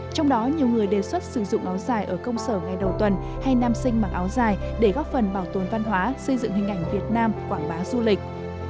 trong đó nhiều người đề xuất sử dụng áo dài ở công sở ngày đầu tuần hay nam sinh mặc áo dài để góp phần bảo tồn văn hóa xây dựng hình ảnh việt nam quảng bá du lịch